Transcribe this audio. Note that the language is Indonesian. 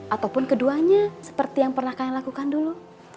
ataupun keduanya seperti yang pernah kalian lakukan dulu